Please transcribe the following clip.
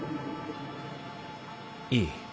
いい。